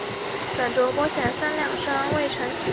比希尔是德国巴伐利亚州的一个市镇。